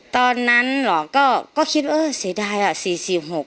ตอนนั้นเหรอก็ก็คิดว่าเสียดายอ่ะสี่สี่หก